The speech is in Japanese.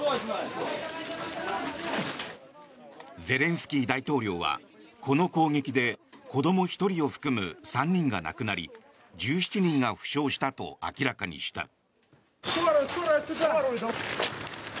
ゼレンスキー大統領はこの攻撃で子ども１人を含む３人が亡くなり１７人が負傷したと明らかにした。